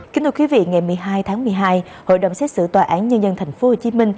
kính thưa quý vị ngày một mươi hai tháng một mươi hai hội đồng xét xử tòa án nhân dân tp hcm